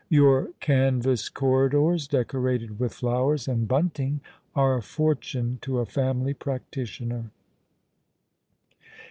"Your canvas corridors, decorated v.itli Cowers and bunting, are a fortune to a family practitioner."